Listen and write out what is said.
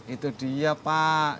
itu dia pak